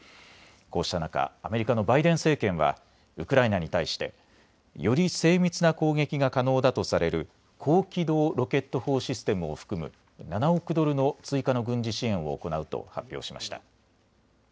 こうしたした中、アメリカのバイデン政権はウクライナに対してより精密な攻撃が可能だとされる高機動ロケット砲システムを含む７億ドルの追加の軍事支援を行うと発表しました。